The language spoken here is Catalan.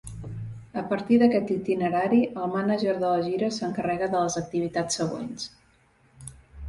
A partir d'aquest itinerari, el mànager de la gira s'encarrega de les activitats següents.